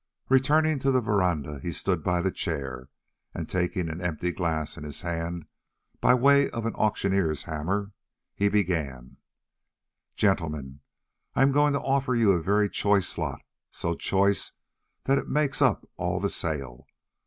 Returning to the verandah, he stood by the chair, and, taking an empty glass in his hand by way of an auctioneer's hammer, he began: "Gentlemen, I am going to offer you a very choice lot, so choice that it makes up all the sale.